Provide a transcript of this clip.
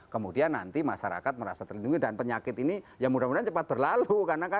kemudian nanti masyarakat merasa terlindungi dan penyakit ini ya mudah mudahan cepat berlalu